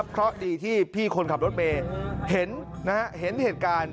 เพราะดีที่พี่คนขับรถเมย์เห็นเหตุการณ์